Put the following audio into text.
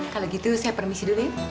kalo gitu saya permisi dulu yuk